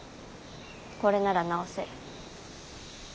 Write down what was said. これなら直せる。